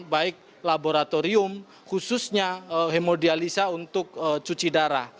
baik laboratorium khususnya hemodialisa untuk cuci darah